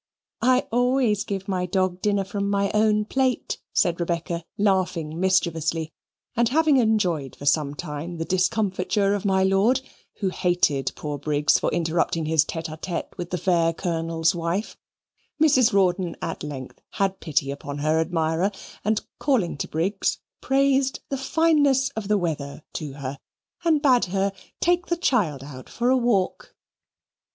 "I always give my dog dinner from my own plate," said Rebecca, laughing mischievously; and having enjoyed for some time the discomfiture of my lord, who hated poor Briggs for interrupting his tete a tete with the fair Colonel's wife, Mrs. Rawdon at length had pity upon her admirer, and calling to Briggs, praised the fineness of the weather to her and bade her to take out the child for a walk.